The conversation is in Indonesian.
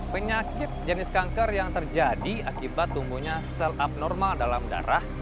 penyakit jenis kanker yang terjadi akibat tumbuhnya sel abnormal dalam darah